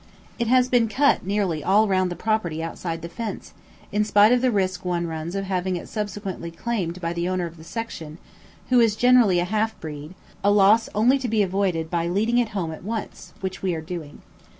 It has been cut nearly all round the property outside the fence, in spite of the risk one runs of having it subsequently claimed by the owner of the section, who is generally a half breed, a loss only to be avoided by leading it home at once, which we are doing.